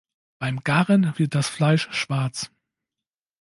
Beim Garen wird das Fleisch schwarz.